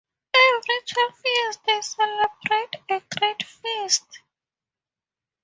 Every twelve years they celebrate a great feast.